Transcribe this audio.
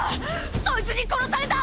そいつに殺された！